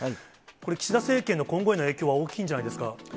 これ、岸田政権の今後への影響は大きいんじゃないですか。